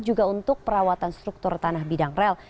juga untuk perawatan struktur tanah bidang rel